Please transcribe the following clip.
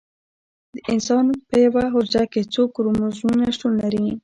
د انسان په یوه حجره کې څو کروموزومونه شتون لري